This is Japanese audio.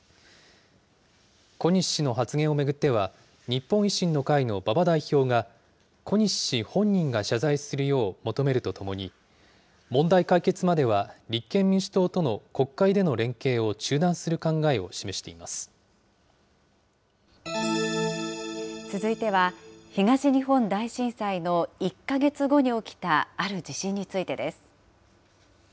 小西氏の発言を巡っては、日本維新の会の馬場代表が、小西氏本人が謝罪するよう求めるとともに、問題解決までは立憲民主党との国会での連携を中断する考えを示し続いては、東日本大震災の１か月後に起きたある地震についてです。